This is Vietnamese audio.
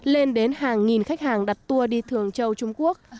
lên đến hàng nghìn khách hàng đặt tour đi thường châu trung quốc